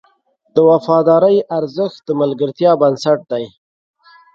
د وفادارۍ ارزښت د ملګرتیا بنسټ دی.